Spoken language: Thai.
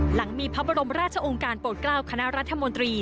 หลังมีพระบรมราชองค์การโปรดเกล้าคณะรัฐมนตรี